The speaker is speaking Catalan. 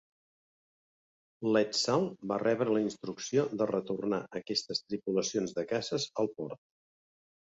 L'"Edsall" va rebre la instrucció de retornar aquestes "tripulacions de caces" al port.